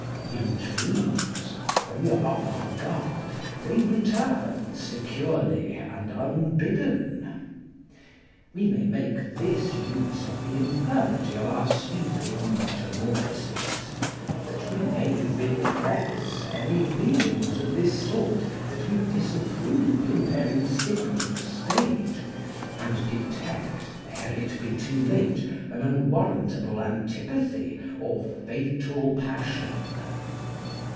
In dreams, when we are off our guard, they return securely and unbidden. We may make this use of the infirmity of our sleeping metamorphosis, that we may repress any feelings of this sort that we disapprove in their incipient state, and detect, ere it be too late, an unwarrantable antipathy or fatal passion.